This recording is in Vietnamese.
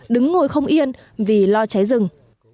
đứng ngồi không yên vì lo cháy rừng